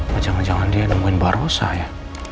mah jangan jangan dia nungguin mbak rosa ya